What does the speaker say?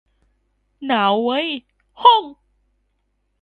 หนาวเว้ย โฮ่ง